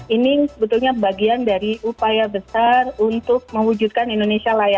ini sebetulnya bagian dari upaya besar untuk mewujudkan indonesia raya